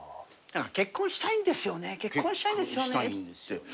「結婚したいんですよね結婚したいんですよね」